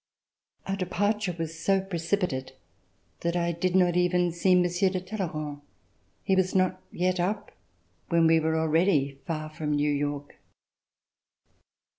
Our departure was so precipitate that I did not even see Monsieur de Talleyrand. He was not yet up when we were already far from New York.